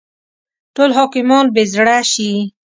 ټول حاکمان بې زړه شي.